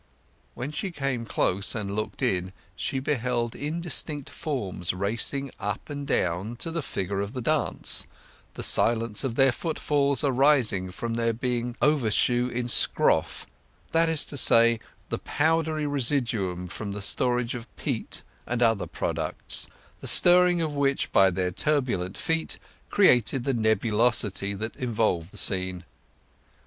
When she came close and looked in she beheld indistinct forms racing up and down to the figure of the dance, the silence of their footfalls arising from their being overshoe in "scroff"—that is to say, the powdery residuum from the storage of peat and other products, the stirring of which by their turbulent feet created the nebulosity that involved the scene.